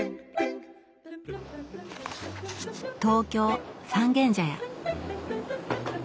東京・三軒茶屋。